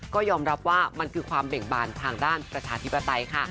ก็ยอมรับว่ามันคือความเบ่งบานทางด้านประชาธิปไตยค่ะ